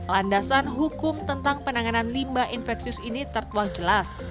landasan hukum tentang penanganan limbah infeksius ini tertuang jelas